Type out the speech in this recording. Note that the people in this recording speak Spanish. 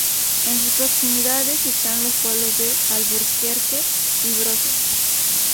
En sus proximidades están los pueblos de Alburquerque y Brozas.